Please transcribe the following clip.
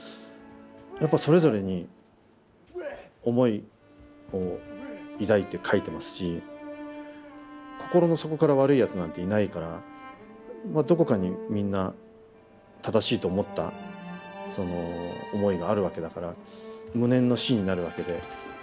やっぱそれぞれに思いを抱いて書いてますし心の底から悪いやつなんていないからどこかにみんな正しいと思ったその思いがあるわけだから無念の死になるわけで。